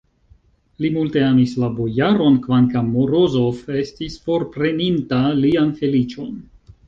Li multe amis la bojaron, kvankam Morozov estis forpreninta lian feliĉon.